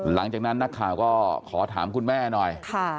หลังจากนั้นนักข่าวก็ขอถามคุณแม่หน่อย